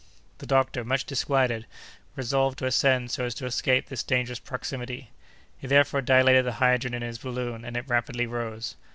The doctor, much disquieted, resolved to ascend so as to escape this dangerous proximity. He therefore dilated the hydrogen in his balloon, and it rapidly rose.